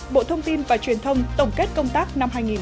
bộ thông tin và truyền thông tổng kết công tác năm hai nghìn một mươi chín